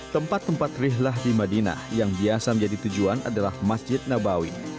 tempat tempat rihlah di madinah yang biasa menjadi tujuan adalah masjid nabawi